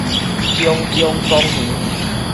中央公園